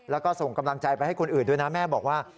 แล้วก็ส่งกำลังใจไปให้คนอื่นด้วยนะแม่บอกว่า